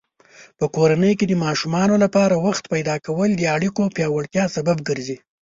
په کورنۍ کې د ماشومانو لپاره وخت پیدا کول د اړیکو پیاوړتیا سبب ګرځي.